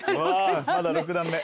まだ６段目。